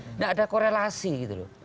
tidak ada korelasi gitu